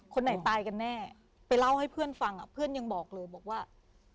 คนไหนตายกันแน่ไปเล่าให้เพื่อนฟังเพื่อนยังบอกเลยบอกว่า